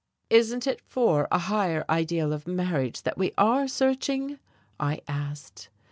"Isn't it for a higher ideal of marriage that we are searching?" I asked.